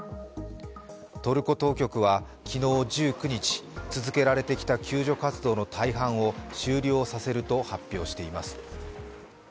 トルコ当局は昨日１９日、続けられてきた救助活動の大半を終了させると発表しています。